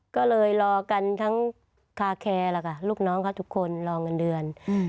ก็เลยรอกันทั้งคาแคร์ล่ะค่ะลูกน้องเขาทุกคนรอเงินเดือน